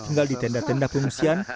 tinggal di tenda tenda pengungsian